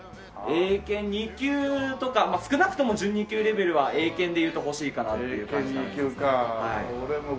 英検２級とか少なくとも準２級レベルは英検でいうと欲しいかなっていう感じになりますかね。